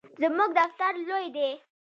زموږ دفتر لوی دی